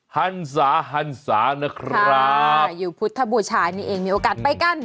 หันศาฮันศานะครับอยู่พุทธบูชานี่เองมีโอกาสไปกัน